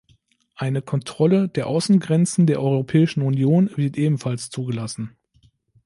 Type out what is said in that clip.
Eine Kontrolle der Außengrenzen der Europäischen Union wird ebenfalls zugelassen.